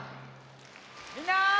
みんな！